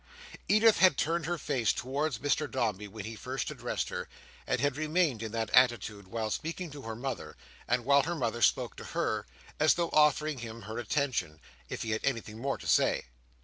Edith had turned her face towards Mr Dombey when he first addressed her, and had remained in that attitude, while speaking to her mother, and while her mother spoke to her, as though offering him her attention, if he had anything more to say.